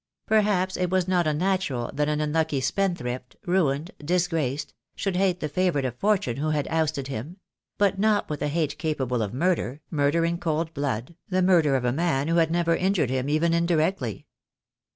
Perhaps it was not unnatural that an unlucky spendthrift — ruined, disgraced ■— should hate the favourite of fortune who had ousted him; but not with a hate capable of murder, murder in cold blood, the murder of a man who had never injured him even indirectly.